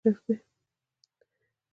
امنیت د پرمختګ شرط دی